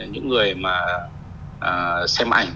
những người mà xem ảnh